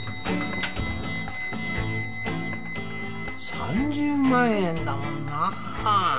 ３０万円だもんなあ。